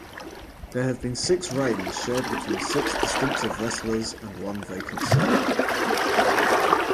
There have been six reigns shared between six distinctive wrestlers and one vacancy.